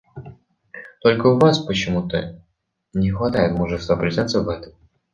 Только у Вас почему-то не хватает мужества признаться в этом.